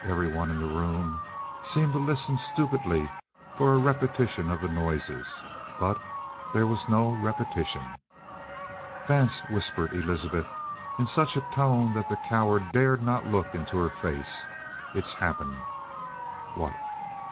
Everyone in the room seemed to listen stupidly for a repetition of the noises. But there was no repetition. "Vance," whispered Elizabeth in such a tone that the coward dared not look into her face. "It's happened!" "What?"